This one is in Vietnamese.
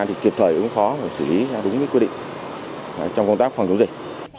thì kịp thời cũng khó xử lý đúng quy định trong công tác phòng chống dịch